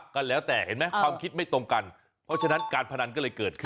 ก็แล้วแต่เห็นไหมความคิดไม่ตรงกันเพราะฉะนั้นการพนันก็เลยเกิดขึ้น